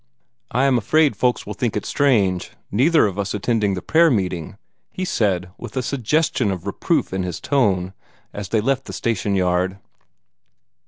"I am afraid folks will think it strange neither of us attending the prayer meeting," he said, with a suggestion of reproof in his tone, as they left the station yard.